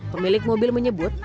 pemilik mobil menyebut